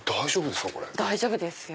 大丈夫ですか？